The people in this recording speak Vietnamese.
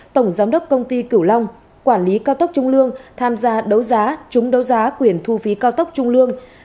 tổng giám đốc công ty cửu long quản lý cao tốc trung lương tham gia đấu giá trúng đấu giá quyền thu phí cao tốc trung lương